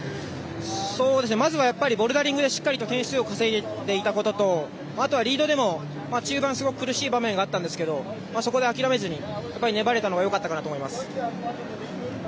まずはやっぱりボルダリングでしっかりと点数を稼いでいたこととあとはリードでも中間、すごく苦しい場面があったんですけどそこで諦めずに粘れたのがよかったかなと思います。